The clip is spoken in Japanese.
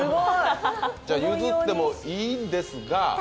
じゃあ、譲ってもいいんですが？